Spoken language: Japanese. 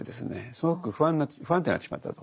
すごく不安定になってしまったと。